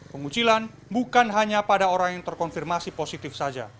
pengucilan bukan hanya pada orang yang terkonfirmasi positifnya